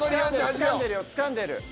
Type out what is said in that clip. つかんでるよつかんでる。